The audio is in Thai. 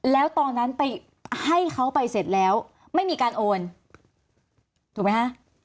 แล้วตอนนั้นไปให้เขาไปเสร็จแล้วไม่มีการโอนถูกไหมฮะ